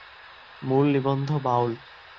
মূল নিবন্ধঃ বাউল।